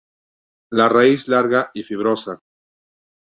La raíz es larga y fibrosa.